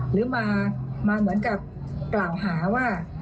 หรือมาเหมือนกับกล่าวหาว่า